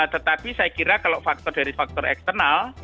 tetapi saya kira kalau faktor dari faktor eksternal